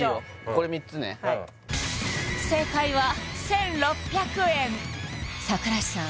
これ３つね正解は１６００円櫻井さん